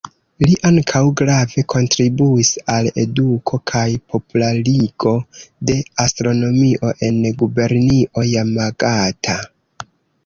Li ankaŭ grave kontribuis al eduko kaj popularigo de astronomio en gubernio Jamagata.